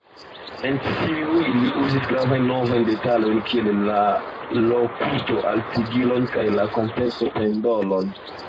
En tiuj li uzis gravajn novajn detalojn kiel la lokusto-haltigilon kaj la kompenso-pendolon.